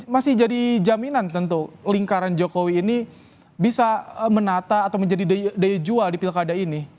masih jadi jaminan tentu lingkaran jokowi ini bisa menata atau menjadi daya jual di pilkada ini